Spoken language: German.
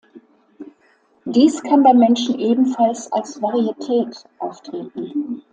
Dies kann beim Menschen ebenfalls als Varietät auftreten.